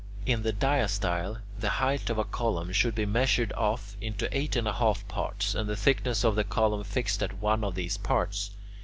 In the diastyle, the height of a column should be measured off into eight and a half parts, and the thickness of the column fixed at one of these parts.